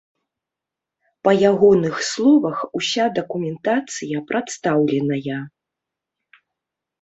Па ягоных словах, уся дакументацыя прадстаўленая.